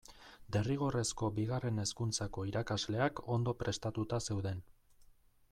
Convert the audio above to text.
Derrigorrezko Bigarren Hezkuntzako irakasleak ondo prestatuta zeuden.